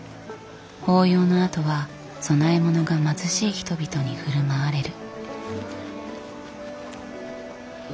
法要のあとは供え物が貧しい人々に振る舞われる。